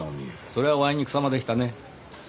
それはおあいにくさまでしたね。